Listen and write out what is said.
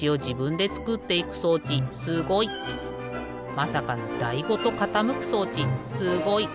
まさかのだいごとかたむく装置すごい！